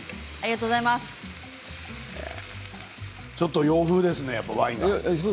ちょっと洋風ですねワインが。